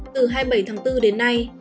từ hai mươi bảy tháng bốn đến nay